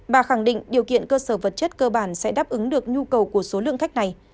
bà khẳng định điều kiện cơ sở vật chất cơ bản sẽ đáp ứng được nhu cầu của số lượng khách này